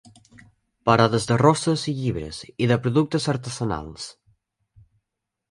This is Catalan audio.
Parades de roses i llibres i de productes artesanals.